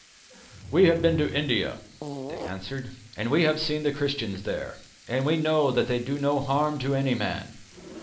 "We have been to India," they answered, "and we have seen the Christians there, and we know that they do no harm to any man.